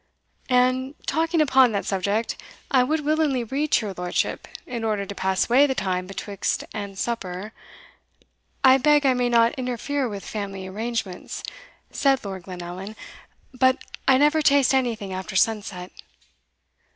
And, talking upon that subject, I would willingly read to your lordship, in order to pass away the time betwixt and supper" "I beg I may not interfere with family arrangements," said Lord Glenallan, "but I never taste anything after sunset."